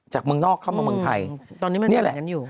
จากเมืองนอกเข้ามาเมืองไทยตอนนี้มันนี่แหละกันอยู่